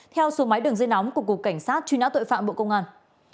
theo số máy đường dây nóng của cục cảnh sát truy nã tội phạm bộ công an